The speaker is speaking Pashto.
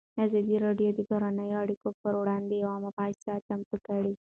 ازادي راډیو د بهرنۍ اړیکې پر وړاندې یوه مباحثه چمتو کړې.